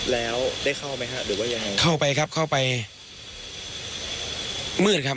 แล้วได้เข้าไหมฮะหรือว่ายังไงเข้าไปครับเข้าไปมืดครับ